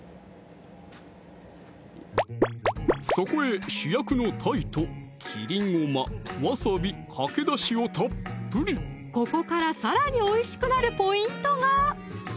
そこへ主役のたいと切りごま・わさび・かけだしをたっぷりここからさらにおいしくなるポイントが！